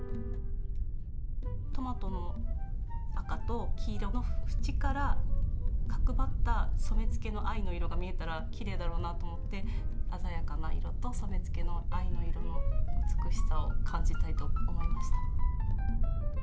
トマトの赤と黄色の縁から角ばった染付の藍の色が見えたらきれいだろうなと思って鮮やかな色と染付の藍の色の美しさを感じたいと思いました。